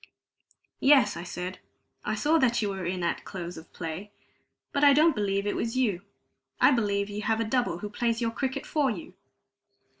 "Yes," I said, "I saw that you were in at close of play. But I don't believe it was you I believe you have a double who plays your cricket for you!"